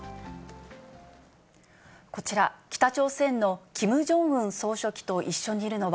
こちら、北朝鮮のキム・ジョンウン総書記と一緒にいるのは、